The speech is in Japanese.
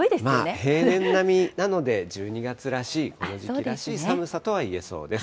平年並みなので、１２月らしい、この時期らしい寒さとはいえそうです。